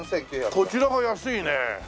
こちらが安いねえ！